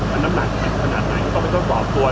มันน้ำหนักขนาดไหนก็ไม่ต้องก่อตัว